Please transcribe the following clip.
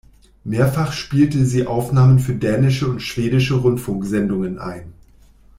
Mehrfach spielte sie Aufnahmen für dänische und schwedische Rundfunksendungen ein.